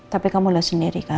tapi kamu lihat sendiri kan